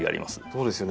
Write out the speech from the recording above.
そうですよね。